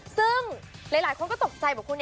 ซึ่งหลายคนก็ตกใจบอกคุณ